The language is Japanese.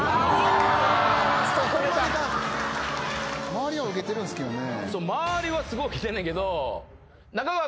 周りはウケてるんすけどね。